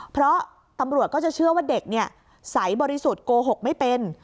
เพราะตำรวจก็จะเชื่อว่าเด็กใสบริสุทธิ์โกหกไม่เป็น